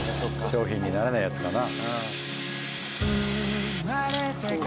商品にならないやつかな。